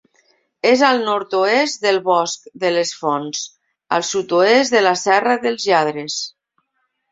És al nord-oest del Bosc de les Fonts, al sud-est de la Serra dels Lladres.